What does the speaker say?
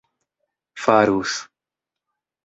farus